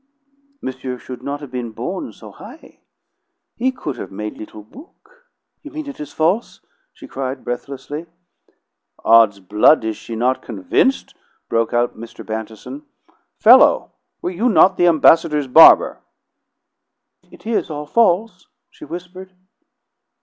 "Monsieur should not have been born so high. He could have made little book'." "You mean it is false?" she cried breathlessly. "'Od's blood, is she not convinced?" broke out Mr. Bantison. "Fellow, were you not the ambassador's barber?" "It is all false?" she whispered.